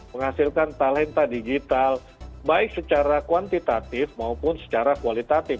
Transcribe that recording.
menghasilkan talenta digital baik secara kuantitatif maupun secara kualitatif